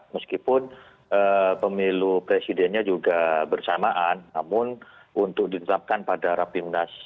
meskipun pemilu presidennya juga bersamaan namun untuk ditetapkan pada rapimnas